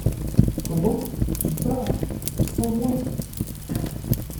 Comment ! tu pars ?… sans moi ?